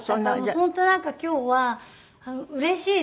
本当なんか今日はうれしいです。